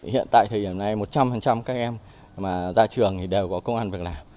hiện tại thời điểm này một trăm linh các em ra trường thì đều có công an việc làm